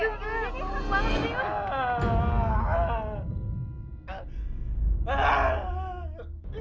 tuh gua apaan sih kayaknya semau busuk lebih dari dalam ini